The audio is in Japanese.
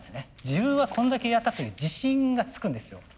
自分はこんだけやったという自信がつくんですよ。